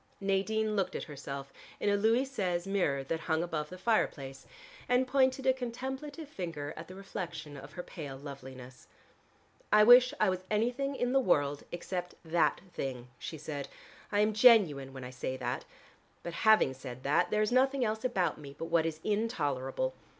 Nadine looked at herself in a Louis Seize mirror that hung above the fireplace and pointed a contemplative finger at the reflection of her pale loveliness. "I wish I was anything in the world except that thing," she said. "I am genuine when I say that, but having said that there is nothing else about me but what is intolerable.